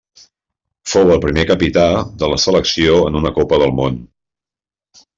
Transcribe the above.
Fou el primer capità de la selecció en una Copa del Món.